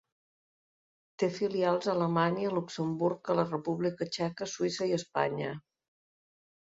Té filials a Alemanya, a Luxemburg, a la República Txeca, Suïssa i Espanya.